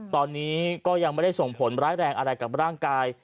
ตอนนี้ก็ยังไม่ได้ส่งผลร้ายแรงอะไรกับร่างกาย